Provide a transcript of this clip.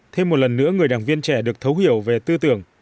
thêm một lần nữa người đảng viên trẻ được thấu hiểu về tư tưởng